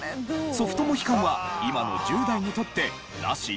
ソフトモヒカンは今の１０代にとってナシ？